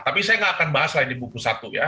tapi saya nggak akan bahas lagi buku satu ya